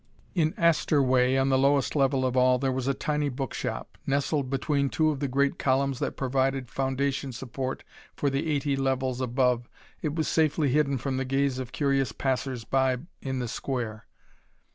In Astor Way, on the lowest level of all, there was a tiny book shop. Nestled between two of the great columns that provided foundation support for the eighty levels above, it was safely hidden from the gaze of curious passersby in the Square.